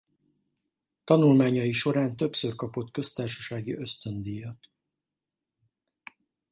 Tanulmányai során többször kapott Köztársasági Ösztöndíjat.